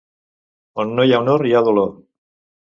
On no hi ha honor hi ha dolor.